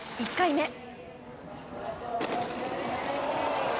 １回目。